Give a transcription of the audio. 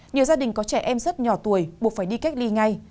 nhiều gia đình có trẻ em rất nhỏ tuổi buộc phải đi cách ly ngay